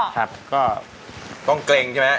ผัดก็ใช้กำลังต้องเกร็งใช่มั้ย